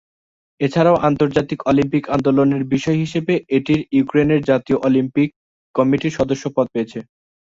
এছাড়াও আন্তর্জাতিক অলিম্পিক আন্দোলনের বিষয় হিসেবে এটির ইউক্রেনের জাতীয় অলিম্পিক কমিটির সদস্যপদ রয়েছে।